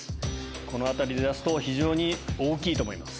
このあたりで出すと非常に大きいと思います。